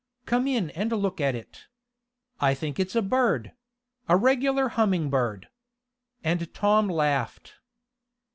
Come in and look at it. I think it's a bird a regular Humming Bird!" And Tom laughed.